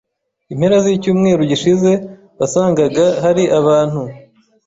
impera z’icyumweru gishize wasangaga hari abantu